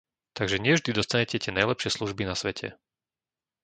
Takže nie vždy dostanete tie najlepšie služby na svete.